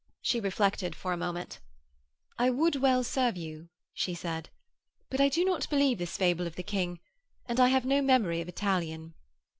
She reflected for a moment. 'I would well serve you,' she said. 'But I do not believe this fable of the King, and I have no memory of Italian.'